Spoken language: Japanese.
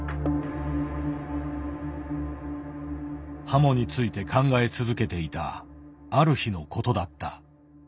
ハモについて考え続けていたある日のことだった。